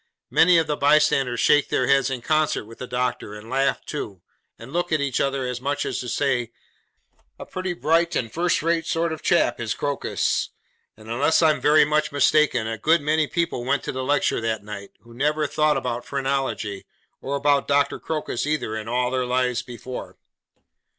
Many of the bystanders shake their heads in concert with the doctor, and laugh too, and look at each other as much as to say, 'A pretty bright and first rate sort of chap is Crocus!' and unless I am very much mistaken, a good many people went to the lecture that night, who never thought about phrenology, or about Doctor Crocus either, in all their lives before.